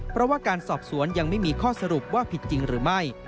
เพราะว่าการสอบสวนยังไม่มีข้อสรุปว่าผิดจริงหรือไม่